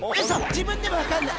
自分でも分かんない］